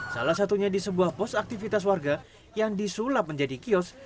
salah satunya di sebuah pos aktivitas warga yang disulap menjadi kios